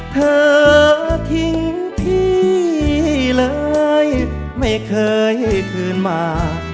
เธอทิ้งที่เลยไม่เคยคืนมา